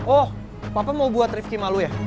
oh papa mau buat rifki malu ya